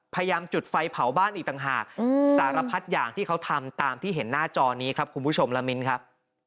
พยายามจุดไฟเผาบ้านอีกต่างหากสารพัดอย่างที่เขาทำตามที่เห็นหน้าจอนี้ครับคุณผู้ชมละมิ้นครับ